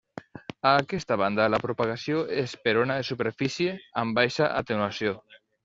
A aquesta banda la propagació és per ona de superfície, amb baixa atenuació.